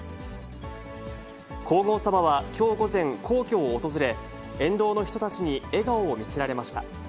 皇后さまは、きょう午前、皇居を訪れ、沿道の人たちに笑顔を見せられました。